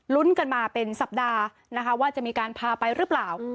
กันมาเป็นสัปดาห์นะคะว่าจะมีการพาไปหรือเปล่า